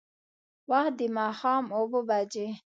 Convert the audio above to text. وخت د ماښام اوبه بجې.